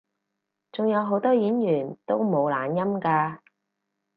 仲有好多演員都冇懶音㗎